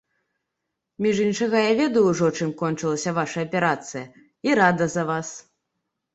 Між іншага, я ведаю ўжо, чым кончылася ваша аперацыя, і рада за вас.